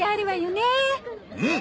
うん！